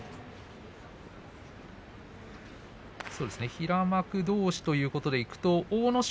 平幕どうしということでいけば阿武咲